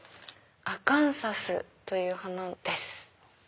アカンサスという花です。